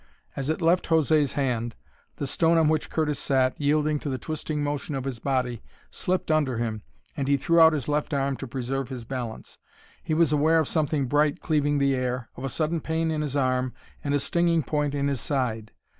As it left José's hand, the stone on which Curtis sat, yielding to the twisting motion of his body, slipped under him, and he threw out his left arm to preserve his balance. He was aware of something bright cleaving the air, of a sudden pain in his arm, and a stinging point in his side.